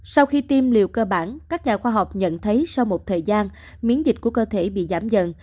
sau khi tiêm liều cơ bản các nhà khoa học nhận thấy sau một thời gian miễn dịch của cơ thể bị giảm dần